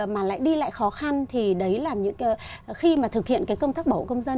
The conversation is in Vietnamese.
mà lại đi lại khó khăn thì khi thực hiện công tác bảo hộ công dân